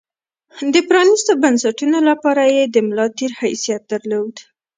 د پرانېستو بنسټونو لپاره یې د ملا تیر حیثیت درلود.